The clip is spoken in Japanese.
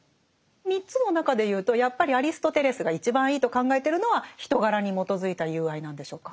３つの中で言うとやっぱりアリストテレスが一番いいと考えてるのは人柄に基づいた友愛なんでしょうか？